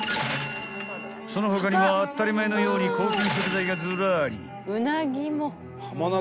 ［その他にも当たり前のように高級食材がずらり］